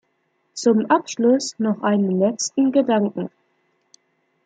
Zum Abschluss noch einen letzten Gedanken.